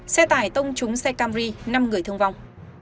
xe tải tông trúng xe camry năm người thương vong